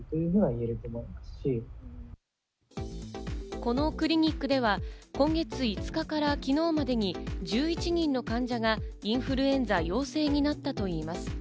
このクリニックでは、今月５日から昨日までに１１人の患者がインフルエンザ陽性になったといいます。